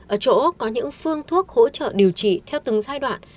ở chỗ có những phương thuốc hỗ trợ điều trị theo từng giai đoạn